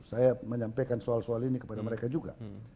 saya menyampaikan soal soal ini kepada mereka juga